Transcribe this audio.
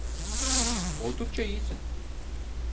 Oldukça iyisin.